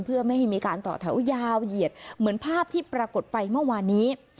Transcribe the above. เพื่อไม่ให้มีการต่อแถวยาวเหยียดเหมือนภาพที่ปรากฏไปเมื่อวานนี้